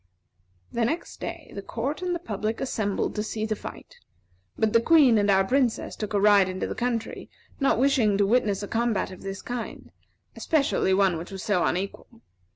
The next day, the court and the public assembled to see the fight; but the Queen and our Princess took a ride into the country, not wishing to witness a combat of this kind, especially one which was so unequal.